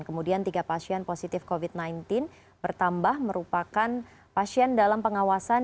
kemudian tiga pasien positif covid sembilan belas bertambah merupakan pasien dalam pengawasan